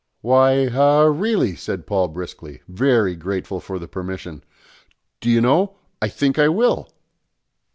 "Why, ah, really," said Paul briskly, very grateful for the permission; "do you know, I think I will!"